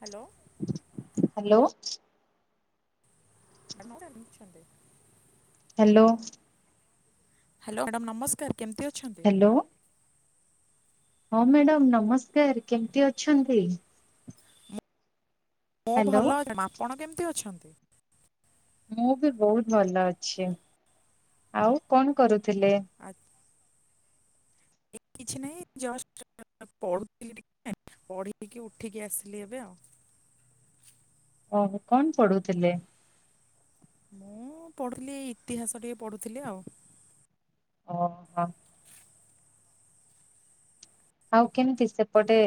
Hello. Hello. [unintelligible] Hello. Hello madam ନମସ୍କାର କେମିତି ଅଛନ୍ତି? ହ୍ୟାଲୋ। ହଁ ମ୍ୟାଡ଼ାମ ନମସ୍କାର କେମିତି ଅଛନ୍ତି? ମୁଁ ହ୍ୟାଲୋ ଭଲ ମାମ ଆପଣ କେମିତି ଅଛନ୍ତି? ମୁଁ ବି ବହୁତ ଭଲ ଅଛି। ଆଉ କଣ କରୁଥିଲେ? ଆଜ୍ଞା। କିଛି ନାହିଁ ଜଷ୍ଟ ଜ ପଢୁଥିଲି ଟିକେ ପଢକି ଉଠିକି ଆସିଲି ଏବେ ଆଉ। ଓହ କଣ ପଢୁଥିଲେ? ମୁଁ ପଢୁଥିଲି ଏଇ ଇତିହାସ ଟିକେ ପଢୁଥିଲି ଆଉ। ଓହୋ। [inaudible] ଆଉ କେମିତି ସେପଟେ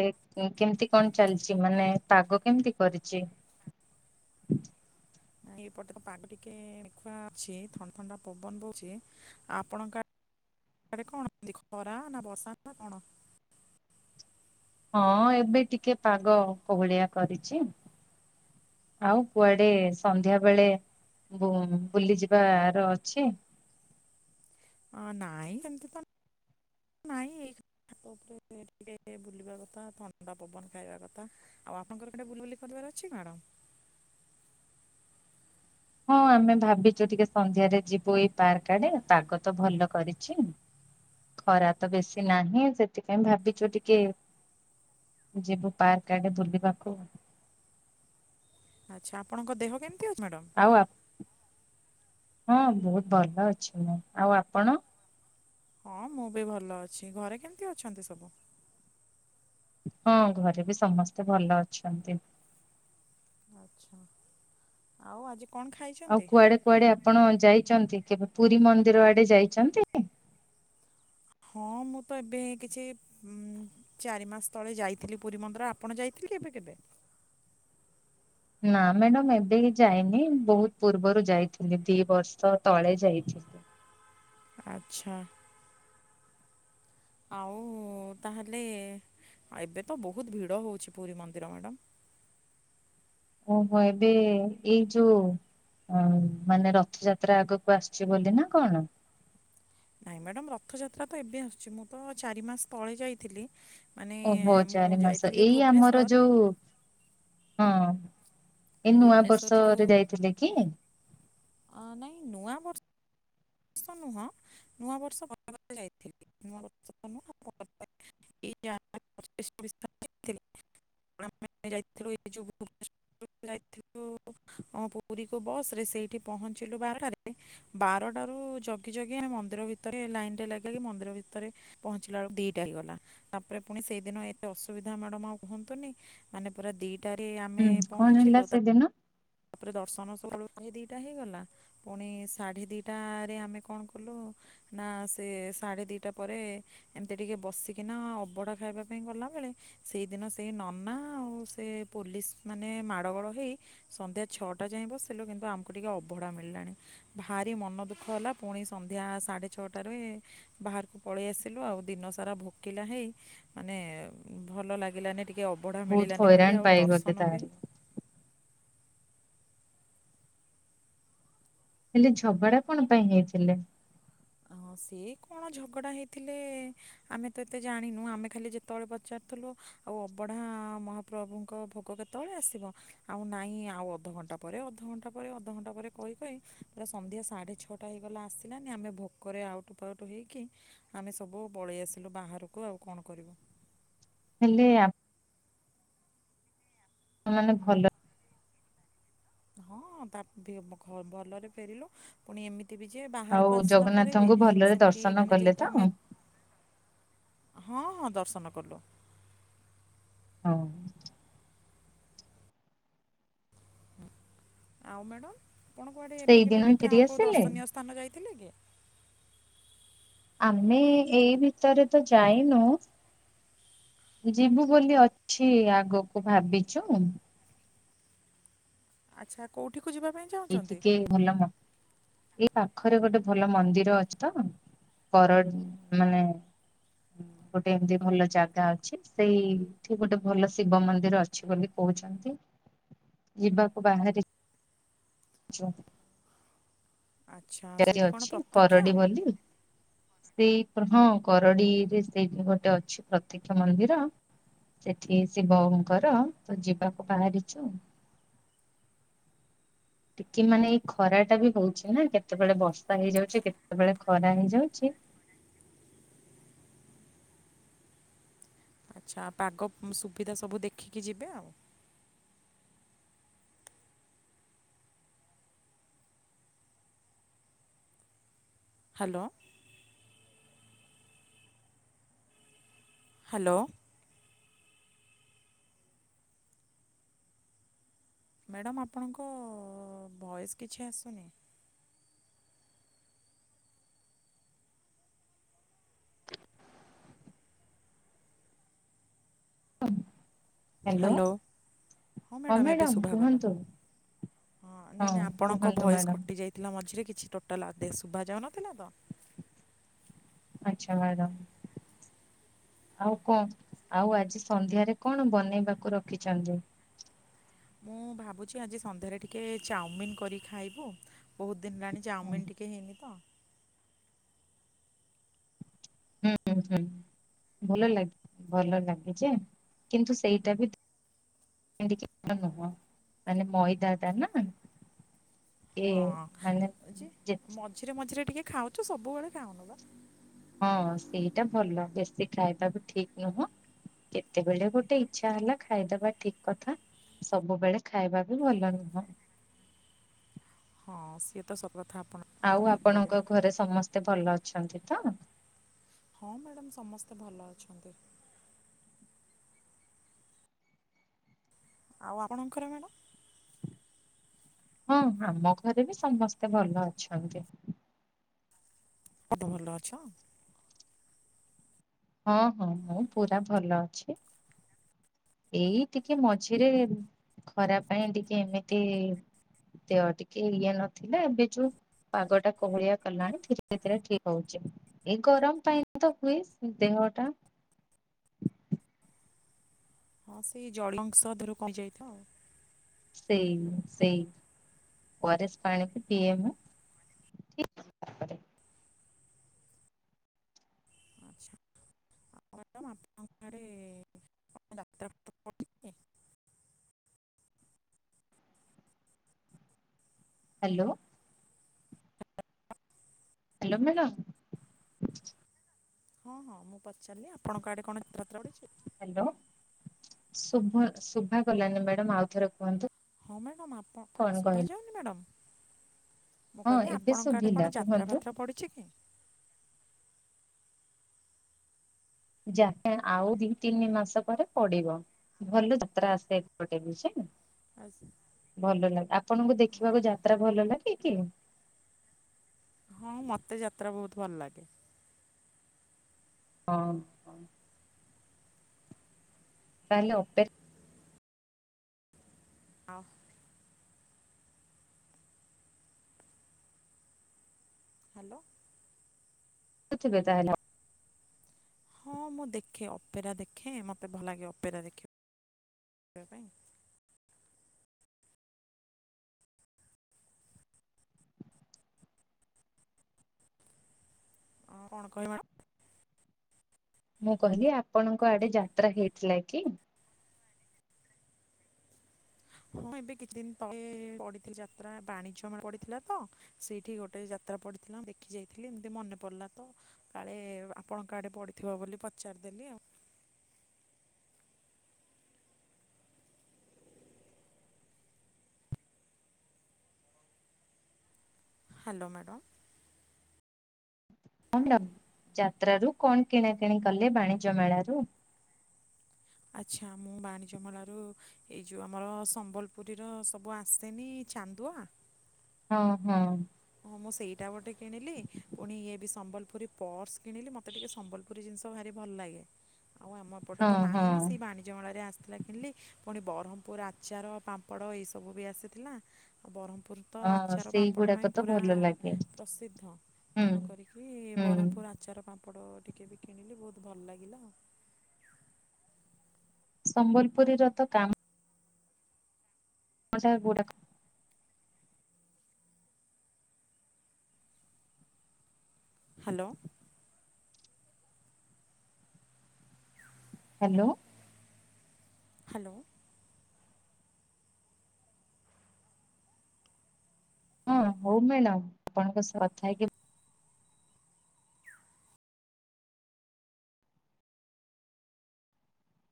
କେମିତି କଣ ଚାଲିଛି, ମାନେ ପାଗ କେମିତି କରିଛି। ନା ଏପଟେ ତ ପାଗ ଟିକେ ମେଘୁଆ ଅଛି ଥଣ୍ଡା ଥଣ୍ଡା ପବନ ବହୁଛି। ଆପଣଙ୍କ ଆଡେ କଣ କେମିତି ଖରା ନା ବର୍ଷା ନା କଣ? ହଁ ଏବେ ଟିକେ ପାଗ କୋହଳିଆ କରିଛି। ଆଉ କୁଆଡେ ସନ୍ଧ୍ୟା ବେଳେ? ବୁଲି ଯିବାର ଅଛି? ହଁ ନାହିଁ ସେମିତି ତ ନାଇ। ଛାତ ଉପରେ ଟିକେ ଟିକେ ବୁଲିବା କଥା, ଥଣ୍ଡା ପବନ ଖାଇବା କଥା। ଆଉ ଆପଣଙ୍କର କୁଆଡ଼େ ବୁଲା ବୁଲି କରିବାର ଅଛି ମ୍ୟାଡାମ? ହଁ ଆମେ ଭାବିଛୁ ଟିକେ ସନ୍ଧ୍ୟାରେ ଯିବୁ ଏଇ ପାର୍କ ଆଡେ ପାଗ ତ ଭଲ କରିଛି। ଖରା ତ ବେଶୀ ନାହିଁ ସେଥିପାଇଁ ଭାବିଛୁ ଟିକେ ଯିବୁ ପାର୍କ ଆଡେ ବୁଲିବାକୁ। ଆଚ୍ଛା ଆପଣଙ୍କ ଦେହ କେମତି ଅଛି ମ୍ୟାଡ଼ମ୍? ଆଉ ହଁ ବହୁତ ଭଲ ଅଛି ମୁଁ ଆଉ ଆପଣ? ହଁ ମୁଁ ବି ଭଲ ଅଛି ଘରେ କେମତି ଅଛନ୍ତି ସବୁ? ହଁ ଘରେ ବି ସମସ୍ତେ ଭଲ ଅଛନ୍ତି। ଆଚ୍ଛା ଆଉ ଆଜି କଣ ଆଉ ଖାଇଛନ୍ତି? କୁଆଡେ କୁଆଡେ ଆପଣ ଯାଇଛନ୍ତି କେବେ ପୁରୀ ମନ୍ଦିର ଆଡେ ଯାଇଛନ୍ତି? ହଁ ମୁଁ ତ ଏବେ କିଛି ଉ ଚାରି ମାସ ତଳେ ଯାଇଥିଲି ପୁରୀ ମନ୍ଦିର। ଆପଣ ଯାଇଥିଲି କେବେ କେବେ? ନା ମ୍ୟାଡ଼ାମ ଏବେ ଯାଇନି। ବହୁତ ପୂର୍ବରୁ ଯାଇଥିଲି ଦି ବର୍ଷ ତଳେ ଯାଇଥିଲି। ଆଚ୍ଛା। ଆଉ ତାହେଲେ ଏବେ ତ ବହୁତ ଭିଡ଼ ହେଉଛି ପୁରୀ ମନ୍ଦିର ମ୍ୟାଡ଼ାମ୍। ଓହୋ ଏବେ ଏଇ ଯୋଉ। ଓ ମାନେ ରଥଯାତ୍ରା ଆଗକୁ ଆସିୁଛି ବୋଲି ନା କଣ? ନାଇଁ ମ୍ୟାଡାମ ରଥଯାତ୍ରା ତ ଏବେ ଆସୁଛି, ମୁଁ ତ ଚାରି ମାସ ତଳେ ଯାଇଥିଲି ମାନେ ଓହୋ ମୁଁ ଚାରି ମାସ ଯାଇଥିଲି ଏଇ ଆମର ଭୁବନେଶ୍ୱର ଯୋଉ ହଁ ଏ ନୂଆ ଭୁବନେଶ୍ୱରରୁ ବର୍ଷରେ ଯାଇଥିଲେ କି? ଅ ନାଇଁ ନୂଆ ବର୍ଷ ବର୍ଷ ନୁହଁ, ନୂଆ ବର୍ଷ [unintelligible] ଯାଇଥିଲି [unintelligible] [unintelligible] [unintelligible] ପୁରୀ କୁ ବସ୍ ରେ, ସେଇଠି ପହଞ୍ଚିଲୁ ବାରଟାରେ, ବାରଟ ରୁ ଜଗି ଜଗି ଆମେ ମନ୍ଦିର ଭିତରେ, ଲାଇନ ରେ ଲାଗି ଲାଗି ମନ୍ଦିର ଭିତରେ, ପହଞ୍ଚିଲା ବେଳକୁ ଦିଟା ହେଇଗଲା। ତାପରେ ପୁଣି ସେଇଦିନ ଏତେ ଅସୁବିଧା ମ୍ୟାଡାମ ଆଉ କୁହନ୍ତୁନି ମାନେ ପୁରା ଦି ଟାରେ ହୁଁ ଆମେ କଣ ହେଲା ପହଞ୍ଚିଲୁ ସେଦିନ? ତାପରେ ଦର୍ଶନ ସକାଳୁ ଉଠି ଦିଇଟା ହେଇଗଲା। ପୁଣି ସାଢେ ଦିଟରେ ଆମେ କଣ କଲୁ ନା ସେ ସାଢେ ଦିଟା ପରେ ଏମତି ଟିକେ ବସିକିନା ଅବଡା ଖାଇବା ପାଇଁ ଗଲାବେେଳେ ସେଇଦିନ ସେଇ ନନା ଆଉ ସେ ପୋଲିସ ମାନେ ମାଡ ଗୋଡ ହେଇ ସନ୍ଧ୍ୟା ଛଅଟା ଯାଇଁ ବସିଲୁ କିନ୍ତୁ ଆମକୁ ଟିକିେ ଅବଡ଼ା ମିଳିଲାଣି। ଭାରି ମନ ଦୁଃଖ ହେଲା ପୁଣି ସନ୍ଧ୍ୟା ସାଢେ ଛଅଟାରେ ବାହାରକୁ ପଳେଇ ଆସିଲୁ ଆଉ ଦିନ ସାରା ଭୋକିଲା ହେଇ ମାନେ ଭଲ ଲାଗିଲାନି ଟିକେ ଟିକେ ଅବଢ଼ା ବହୁତ ମିଳିଲାନି ହଇରାଣ ବୋଲି ଆଉ ପାଇଗଲେ ଦର୍ଶନ ବି ତାହେଲେ। ହେଲେ ଝଗଡା କଣ ପାଇଁ ହେଇଥିଲେ ହଁ ସେି କଣ ଝଗଡା ହେଇଥିଲେ ଆମେ ତ ଏତେ ଜାଣିନୁ ଆମେ ଖାଲି ଯେତେବେଳେ ପଚାରୁଥିଲୁ ଆଉ ଅବଢ଼ା ମହାପ୍ରଭୁଙ୍କ ଭୋଗ କେତେବେଳେ ଆସିବ ଆଉ ନାଇଁ ଆଉ ଅଧଘଣ୍ଟା ପରେ ଅଧଘଣ୍ଟା ପରେ ଅଧଘଣ୍ଟା ପରେ କହି କହି ପୁରା ସଧ୍ୟା ସାଢ଼େ ଛଅଟା ହେଇଗଲା ଆସିଲାନି ଆମେ ଭ କରେ ଆଉଟ୍ ପାଉଟ୍ ହେଇକି ଆମେ ସବୁ ପଳେଇ ଆସିଲୁ ବାହାରକୁ ଆଉ କଣ କରିବୁ। ହେଲେ ମାନେ ଭଲ ହଁ ତା ଭଲରେ ଫେରିଲୁ ପୁଣି ଏମିତି ଅବିନ ଆଉ ବାହାରକୁ ଆସିଲା ପରେ ବି ଜଗନ୍ନାଥଙ୍କୁ ଭଲରେ ସେମତି ଦର୍ଶନ ମାନେ ଯେ କଲେ ତ? ହେତୁ ହଁ ହଁ ଦର୍ଶନ କଲୁ। ହଁ। ଆଉ ମ୍ୟାଡାମ କଣ କୁଆଡେ ଏବେ ସେଇଦିନ କେବେ ହିଁ ଭିତରେ ଫେରି ଆଉ କୋଉ ଆସିଲେ? ଦର୍ଶନୀୟ ତମେ ଯାଇଥିଲେ କି? ଆମେ ଏଇ ଭିତରେ ତ ଯାଇନୁ। ଯିବୁ ବୋଲି ଅଛି ଆଗକୁ ଭାବି ଚୁ। ଆଚ୍ଛା କୋଡ଼ଠିକୁ ଯିବା ପାଇଁ ଏଇ ଚାହୁଁଛନ୍ତି ଟିକେ ଭଲ ମ ଏଇ ପାଖରେ ଗୋଟେ ଭଲ ମନ୍ଦିର ଅଛି ତ ବର ମାନେ ହୁଁ। ଗୋଟେ ଏମିତି ଭଲ ଜାଗା ଅଛି ସେଇଠି ଗୋଟେ ଭଲ ଶିବ ମନ୍ଦିର ଅଛି ବୋଲି କହୁଚନ୍ତି ଯିବାକୁ ବାହାରେ ଛଅ। ଆଚ୍ଛା ସେଇଠି କ'ଣ [unintelligible] ପ୍ରତ୍ୟକ୍ଷ କରଡି ବୋଲି। ସେଇ ହଁ କରଡିରେ ସେଇ ଗୋଟେ ଅଛି ପ୍ରତ୍ୟକ୍ଷ ମନ୍ଦିର ସେଠି ଶିବଙ୍କର ଯିବାକୁ ବାହାରିଛୁ। ଟିକେ ମାନେ ଏଇ ଖରା ଟା ବି ହଉଛି ନା କେତେବେଳେ ବର୍ଷା ହେଇଯାଉଛି କେତେବେଳେ ଖରା ହେଇଯାଉଛି। ଆଚ୍ଛା ପାଗ ସୁବିଧା ସବୁ ଦେଖିକି ଯିବେ ଆଉ ହ୍ୟାଲୋ। ହ୍ୟାଲୋ। ମ୍ୟାଡ଼ମ୍ ଆପଣଙ୍କ ଭଏସ୍ କିଛି ଆସୁନି ହ୍ୟାଲୋ ହଁ ମ୍ୟାଡ଼ାାମ ଏବେ ମ୍ୟାଡାମ ଶୁଭା ଗଲା। କୁହନ୍ତୁ ହଁ ନାଇଁ ନାଇଁ ଆପଣଙ୍କ କୁହନ୍ତୁ ଭୟସ ମ୍ୟାଡାମ କଟି ଯାଇଥିଲା ମଝିରେ କିଛି ଟୋଟାଲ ଶୁଭାାଯାାଉନଥିଲା ତ ଆଚ୍ଛା ମ୍ୟାଡ଼ାମ। ଆଉ କଣ ଆଉ ଆଜି ସନ୍ଧ୍ୟାରେ କଣ ବନେଇବାକୁ ରଖଡ଼ନ୍ତି? ମୁଁ ଭାବୁଛି ଆଜି ସନ୍ଧ୍ୟାରେ ଟିକେ ଚାଉମିିନ କରିିକ ଖାଇବୁ ବହୁତ ଦିନ ହେଲାଣି ଚାଉମିନ ଟିକେ ହେଇନି ତ ହୁଁ ହୁଁ ହୁଁ। ଭଲ ଲାଗ ଭଲ ଲାଗେ ଯେ କିନ୍ତୁ ସେଇଟା ବି ଏ ନୁହଁ ମାନେ ମଇଦା ଦାନା କେ ମାନେ ହଁ ଯେ ଯେଚ୍ ମଝିରେ ମଝିରେ ଟିକେ ଖାଉଛୁ ସବୁବେଳେ ଖାଉନୁ ବା। ହଁ ସେଇଟା ଭଲ ବେଶୀ ଖାଇବା ବି ଠିକ ନୁହଁ। କେତେବେଳେ ଗୋଟେ ଇଚ୍ଛା ହେଲା ଖାଇଦବା ଠିକ୍ କଥା। ସବୁବେଳେ ଖାଇବା ବି ଭଲ ନୁହଁ। ହଁ ସିଏ ତ ସବୁ କଥା ଆପଣ ଆଉ ଠିକ୍ କହିଲେ ଆପଣଙ୍କ ଘରେ ସମସ୍ତେ ଭଲ ଅଛନ୍ତି ତ? ହଁ ମ୍ୟାଡ଼ାମ ସମସ୍ତେ ଭଲ ଅଛନ୍ତି। ଆଉ ଆପଣଙ୍କର ମ୍ୟାଡ଼ାମ? ହଁ ଆମ ଘରେ ବି ସମସ୍ତେ ଭଲ ଅଛନ୍ତି। [inaudible] ଭଲ ଅଛ? ହଁ-ହଁ ମୁଁ ପୁରା ଭଲ ଅଛି। ଏଇ ଟିକେ ମଝିରେ ଖରା ପାଇଁ ଟିକେ ଏମିତି ଦେହ ଟିକେ ଇଏ ନଥିଲା ଏବେ ଯୋଉ ପାଗ ଟା କୁହଳିଆ କଲାଣି ଧୀରେ-ଧୀରେ ଠିକ ହଉଛି ଏଇ ଗରମ ପାଇଁ ତ ହୁଏ। ଦେହ ଟା। ହଁ ସେଇ ଜଳ ଅଂଶ ଦେହରୁ କମି ଯାଇଥିବ ଆଉ। ସେଇ-ସେଇ ଓଆରଏସ ପାଣିକୁ ପିଏ ମୁଁ। ଠିକ୍ ଭାବରେ। ଆଚ୍ଛା। ହଁ ମ୍ୟାଡ଼ମ ଆପଣଙ୍କ ଆଡେ ଯାତ୍ରା [inaudible] ହ୍ୟାଲୋ। Hello madam. ହଁ-ହଁ ମୁଁ ପଚାରିଲି ଆପଣଙ୍କ ଆଡେ କଣ ଯାତ୍ରା ଫାତ୍ରା ପଡିଛି? ହ୍ୟାଲୋ ଶୁଭ ଶୁଭା ଗଲାନି ମ୍ୟାଡ଼ାମ ଆଉଥରେ କୁହନ୍ତୁ। ହଁ ମ୍ୟାଡ଼ାମ ଆପଣ କଣ କହିଲେ? ଶୁଭାଯାଉନି ମ୍ୟାଡ଼ାମ? ମୁଁ ହଁ କହିଲି ଏବେ ଆପଣଙ୍କ ଆଡ଼େ ଶୁଭିଲା କଣ ଯାତ୍ରା କୁହନ୍ତୁ ଫାତ୍ରା ପଡ଼ିଛି କି? ଯାତ୍ରା ଆଉ ଦି ତିନି ମାସ ପରେ ପଡିବ। ଭଲ ଯାତ୍ରା ଆସେ ଏପଟେ ବୁଝିଲୁ। ଆସ [inaudible] ଭଲ ଲାଗେ ଆପଣଙ୍କୁ ଦେଖିବାକୁ ଯାତ୍ରା ଭଲ ଲାଗେ କି? ହଁ ମତେ ଯାତ୍ରା ବହୁତ ଭଲ ଲାଗେ। ହଁ। ହଁ ତାହେଲେ ଅପେ ଆଉ। ହ୍ୟାଲୋ। ଯାଉଥିବେ ତାହେଲେ। ହଁ ମୁଁ ଦେଖେ ଅପେରା ଦେଖେ ମତେ ଭଲ ଲାଗେ ଅପେରା ଦେଖିବା ପାଇଁ। ଆଉ କଣ କହିଲ ମ୍ୟାଡାମ? ମୁଁ କହିଲି ଆପଣଙ୍କ ଆଡେ ଯାତ୍ରା ହେଇଥିଲା କି? ହଁ ଏବେ କିଛି ଦିନ ତଳେ ପଡିଥିଲା ଯାତ୍ରା ବାଣିଜ୍ୟ ପଡିଥିଲା ତ। ସେଇଠି ଗୋଟେ ଯାତ୍ରା ପଡିଥିଲା ଦେଖି ଯାଇଥିଲି ଏମିତି ମନେ ପଡିଲା ତ। କାଳେ ଆପଣଙ୍କ ଆଡେ ପଡିଥିବ ବୋଲି ପଚାରିଦେଲି ଆଉ। Hello madam. ଯାତ୍ର ରୁ କଣ କିଣାକିଣି କଲେ ବାଣିଜ୍ୟ ମେଳାରୁ? ଆଚ୍ଛା ମୁଁ ବାଣିଜ୍ୟ ମେଳାରୁ ଏଇ ଯୋଉ ଆମର ସମ୍ବଲପୁରୀ ର ସବୁ ଆସେନି ଚାନ୍ଦୁଆ ହଁ-ହଁ। ହଁ ମୁଁ ସେଇଟା ଗୋଟେ କିଣିଲି ପୁଣି ଇଏ ବି ସମ୍ବଲପୁରୀ ପର୍ସ କିଣିଲି ମତେ ଟିକେ ସମ୍ବଲପୁରୀ ଜିନିଷ ତ ଭାରି ଭଲ ଲାଗେ ଆଉ ଆମ ଏପଟେ ହଁ ତ ହଁ ନାହିଁ ସେଇ ବାଣିଜ୍ୟ ମେଳାରେ ଆସିଥିଲା କିଣିଲି। ପୁଣି ବ୍ରହ୍ମପୁର ଆଚାର, ପାମ୍ପଡ଼ ଏଇ ସବୁ ବି ଆସିଥିଲା ଆଉ ବ୍ରହ୍ମପୁର ତ ହଁ ଆଚାର ପାମ୍ପଡ଼ ପାଇଁ ସେଇଗୁଡାକ ତ ପୁରା ଭଲ ଲାଗେ ପ୍ରସିଦ୍ଧ ହୁଁ। ତେଣୁ କରିକି ହୁଁ ବ୍ରହ୍ମପୁର ଆଚାର, ପାମ୍ପଡ଼ ଟିକେ ବି କିଣିଲି ବହୁତ ଭଲ ଲାଗିଲା ଆଉ। ସମ୍ବଲପୁରୀର ତ କାମ ମଜା ଗୁଡ଼ାଖ। ହ୍ୟାଲୋ। ହ୍ୟାଲୋ। ହ୍ୟାଲୋ। ହଁ ହଉ ମ୍ୟାଡ଼ାମ ଆପଣଙ୍କ ସହ କଥା ହେଇକି